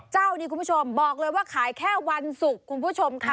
เจ้านี้คุณผู้ชมบอกเลยว่าขายแค่วันศุกร์คุณผู้ชมค่ะ